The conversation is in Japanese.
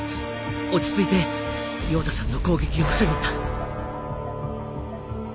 落ち着いてヨーダさんの攻撃を防ぐんだ。